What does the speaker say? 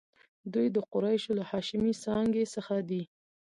دوی د قریشو له هاشمي څانګې څخه دي.